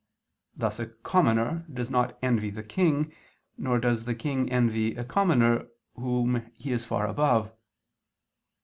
Thus a commoner does not envy the king, nor does the king envy a commoner whom he is far above.